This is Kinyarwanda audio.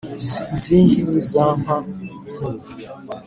si izindi ni za nka nkuru,